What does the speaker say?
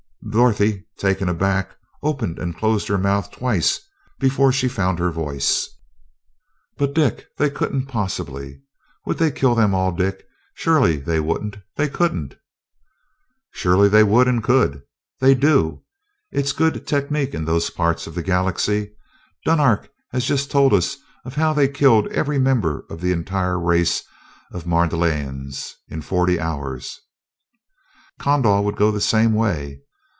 Dorothy, taken aback, opened and closed her mouth twice before she found her voice. "But, Dick, they couldn't possibly. Would they kill them all, Dick? Surely they wouldn't they couldn't." "Surely they would and could. They do it's good technique in those parts of the Galaxy. Dunark has just told us of how they killed every member of the entire race of Mardonalians, in forty hours. Kondal would go the same way.